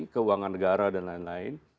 keuangan negara dan lain lain